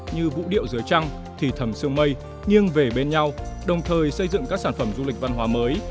như vũ điệu dưới trăng thì thẩm sương mây nghiêng về bên nhau đồng thời xây dựng các sản phẩm du lịch văn hóa mới